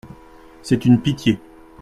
C’est une pitié.